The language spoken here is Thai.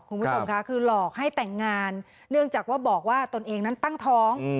คุณผู้ชมค่ะคือหลอกให้แต่งงานเนื่องจากว่าบอกว่าตนเองนั้นตั้งท้อง